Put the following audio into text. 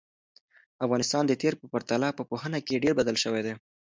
افغانستان د تېر په پرتله په پوهنه کې ډېر بدل شوی دی.